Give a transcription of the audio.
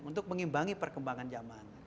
untuk mengimbangi perkembangan zaman